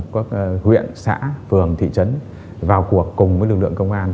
các huyện xã phường thị trấn vào cuộc cùng với lực lượng công an